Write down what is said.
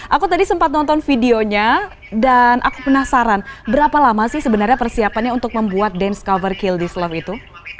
aku tadi sempat nonton videonya dan aku penasaran berapa lama sih sebenarnya persiapannya untuk membuat dance cover kill di slove itu